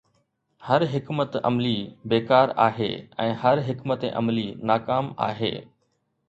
هر حڪمت عملي بيڪار آهي ۽ هر حڪمت عملي ناڪام آهي.